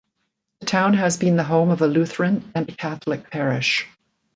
The town has been the home of a Lutheran and a Catholic parish.